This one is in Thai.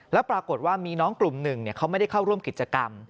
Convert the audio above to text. แล้วปรากฏว่ามีน้องกลุ่มหนึ่งเขาไม่ได้เข้าร่วมกิจกรรม